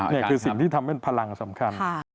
นี่คือสิ่งที่ทำให้พลังสำคัญ